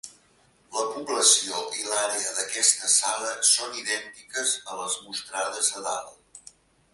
La població i l'àrea d'aquesta sala són idèntiques a les mostrades a dalt.